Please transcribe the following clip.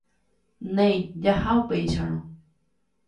Néi, jaha upéicharõ.